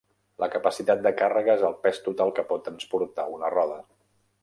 La capacitat de càrrega és el pes total que pot transportar una roda.